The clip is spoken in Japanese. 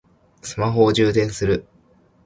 スマホを充電する